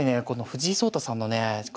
この藤井聡太さんのねえ